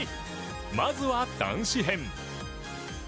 まずは男子編。